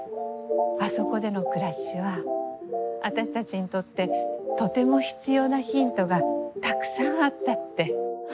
あそこでの暮らしは私たちにとってとても必要なヒントがたくさんあったって。